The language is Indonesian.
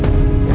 aku akan menang